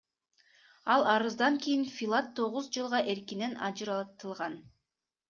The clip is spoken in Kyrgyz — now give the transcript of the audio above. Ал арыздан кийин Филат тогуз жылга эркинен ажыратылган.